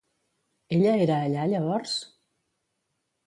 Ella era allà llavors?